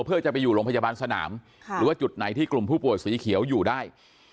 เพื่อจะไปอยู่โรงพยาบาลสนามหรือว่าจุดไหนที่กลุ่มผู้ป่วยสีเขียวอยู่ได้